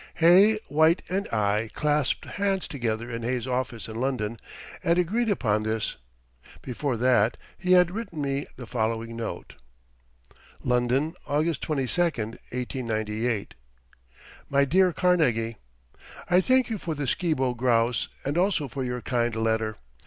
Hay, White, and I clasped hands together in Hay's office in London, and agreed upon this. Before that he had written me the following note: London, August 22, 1898 MY DEAR CARNEGIE: I thank you for the Skibo grouse and also for your kind letter.